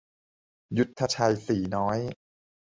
ยุทธชัย สีน้อย